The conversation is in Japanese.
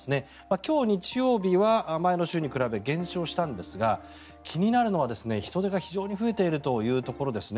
今日、日曜日は前の週に比べて減少したんですが気になるのは人出が非常に増えているというところですね。